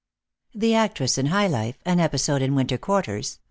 THE ACTRESS IN HIGH LIFE; AN EPISODE IN WINTER QUARTERS.